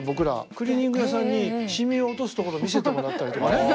クリーニング屋さんにシミを落とすところ見せてもらったりとかね。